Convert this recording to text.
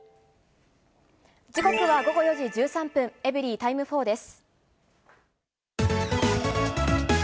時刻は午後４時１３分、エブリィタイム４です。